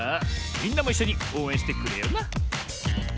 みんなもいっしょにおうえんしてくれよな。